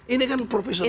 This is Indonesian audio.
ini kan profesional